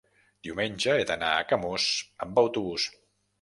diumenge he d'anar a Camós amb autobús.